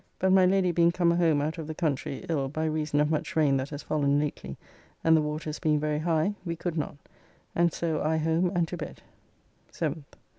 But my Lady being come home out of the country ill by reason of much rain that has fallen lately, and the waters being very high, we could not, and so I home and to bed.